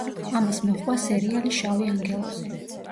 ამას მოჰყვა სერიალი „შავი ანგელოზი“.